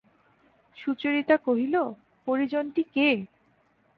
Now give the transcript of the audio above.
সুচরিতা কহিল, পরিজনটি কে?